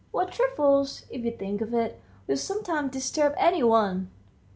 What trifles, if you think of it, will sometimes disturb any one!